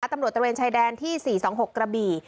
ตำรวจตะเวียนชายแดนที่๔๒๖กระบี่